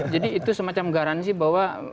jadi itu semacam garansi bahwa